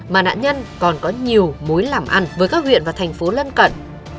mà nạn nhân còn có nhiều mối làm ăn với các huyện và thành phố lân cận